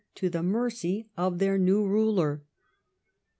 139 to the mercy of their new ruler.